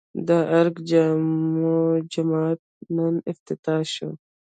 د ارګ جامع جومات نن افتتاح شو